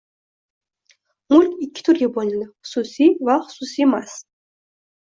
Mulk ikki turga bo‘linadi: xususiy va... xususiymas.